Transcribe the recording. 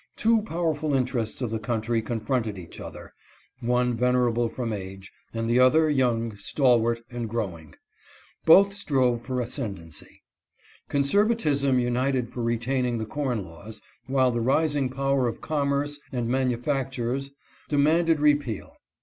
Two powerful interests of the country confronted each other — one venerable from age, and the other young, stalwart, and growing. Both strove for ascendancy. Conservatism united for retaining the corn laws, while the rising power of commerce and manufactures demanded repeal.